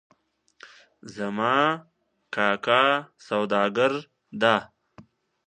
زما کاکا سوداګر ده